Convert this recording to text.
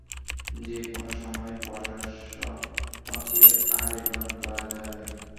যে-কোন সময় প্রশাসকের আবেদন করা যাবে।